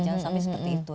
jangan sampai seperti itu